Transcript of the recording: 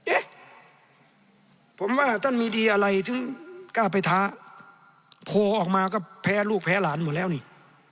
เอ๊ะผมว่าท่านมีดีอะไรถึงกล้าไปท้าโผล่ออกมาก็แพ้ลูกแพ้หลานหมดแล้วนี่